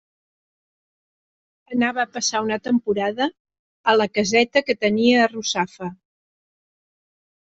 Anava a passar una temporada a la caseta que tenia a Russafa.